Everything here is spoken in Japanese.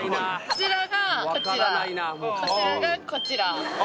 こちらがこちらこちらがこちら。